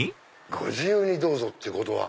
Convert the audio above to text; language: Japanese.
「ご自由にどうぞ」ってことは。